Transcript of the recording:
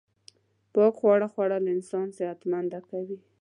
پاک خواړه خوړل انسان صحت منده کوی